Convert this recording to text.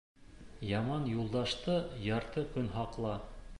Яман юлдашты ярты көн һаҡла.